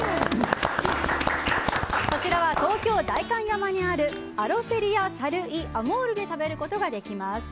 こちらは東京・代官山にあるアロセリア・サル・イ・アモーレで食べることができます。